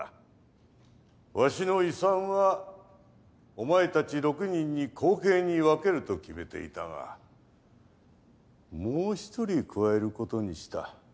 わしの遺産はお前たち６人に公平に分けると決めていたがもう１人加えることにした。